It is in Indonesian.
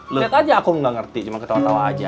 lihat aja aku nggak ngerti cuma ketawa tawa aja